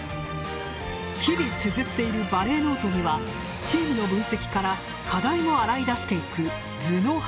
日々つづっているバレーノートにはチームの分析から課題も洗い出していく頭脳派